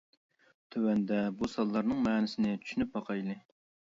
تۆۋەندە بۇ سانلارنىڭ مەنىسىنى چۈشىنىپ باقايلى.